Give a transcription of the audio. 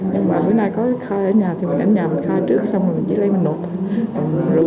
nhưng mà bữa nay có khai ở nhà thì mình ở nhà mình khai trước xong rồi mình chỉ lấy mình nộp thôi